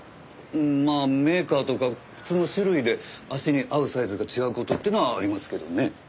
まあメーカーとか靴の種類で足に合うサイズが違う事ってのはありますけどね。